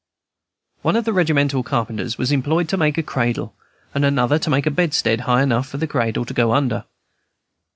One of the regimental carpenters was employed to make a cradle, and another to make a bedstead high enough for the cradle to go under.